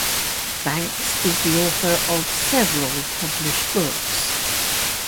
Banks is the author of several published books.